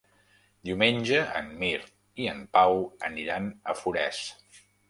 Diumenge en Mirt i en Pau aniran a Forès.